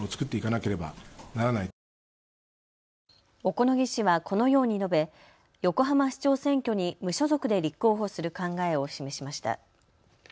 小此木氏はこのように述べ、横浜市長選挙に無所属で立候補する考えを示しました。